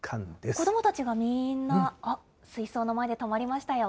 子どもたちがみんな、あっ、水槽の前で止まりましたよ。